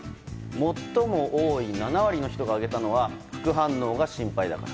最も多い７割の人が挙げたのは副反応が心配だから。